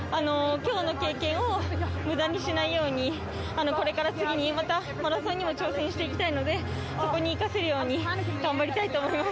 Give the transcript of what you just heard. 今日の経験を無駄にしないようにこれから次にマラソンにも挑戦していきたいのでそこに生かせるように頑張りたいと思います。